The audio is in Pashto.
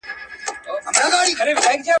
زه نه درځم.